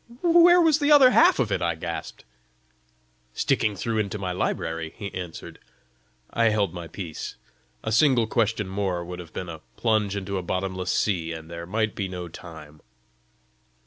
"Where was the other half of it?" I gasped. "Sticking through into my library," he answered. I held my peace. A single question more would have been a plunge into a bottomless sea, and there might be no time!